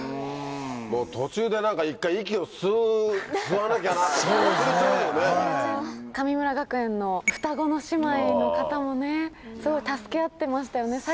もう途中でなんか、一回、息を吸う、吸わなきゃなって、忘れちゃ神村学園の双子の姉妹の方もね、すごい助け合ってましたよね。